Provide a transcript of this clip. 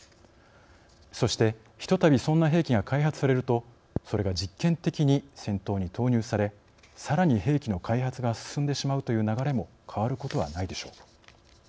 そしてひとたびその兵器が開発されるといわば実験的に戦闘に投入されさらに兵器の開発が進むという流れも変わることはないでしょう。